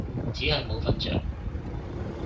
只係冇瞓着